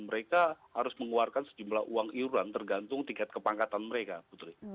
mereka harus mengeluarkan sejumlah uang iuran tergantung tiket kepangkatan mereka putri